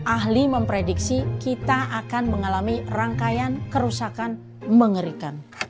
ahli memprediksi kita akan mengalami rangkaian kerusakan mengerikan